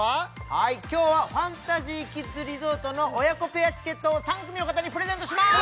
はい今日はファンタジーキッズリゾートの親子ペアチケットを３組の方にプレゼントします